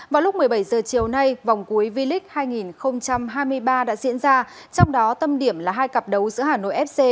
vào lúc một mươi bảy h chiều nay vòng cuối v lic hai nghìn hai mươi ba đã diễn ra trong đó tâm điểm là hai cặp đấu giữa hà nội fc